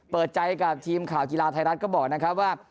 เปิดใจกับทีมข่าวกีฬาไทยรัฐก็บอกนะครับว่า